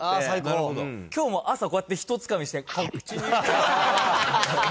今日も朝、こうやってひとつかみして口に。